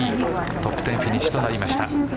トップ１０フィニッシュとなりました。